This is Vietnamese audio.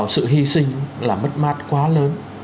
sự hy sinh là mất mát quá lớn